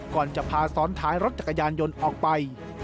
ก่อนจะพาซ้อนท้ายรถจักรยานยนต์ออกไป